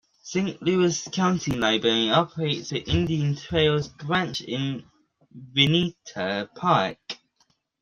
Saint Louis County Library operates the Indian Trails Branch in Vinita Park.